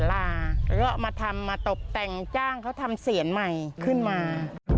แล้วก็มาทำมาตบแต่งจ้างเขาทำเสียนใหม่ขึ้นมา